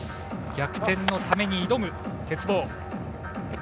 逆転のために挑む鉄棒。